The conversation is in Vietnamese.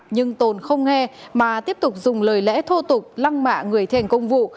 nhưng tồn không nghe mà tiếp tục dùng lời lẽ thô tục lăng mạ người thi hành công vụ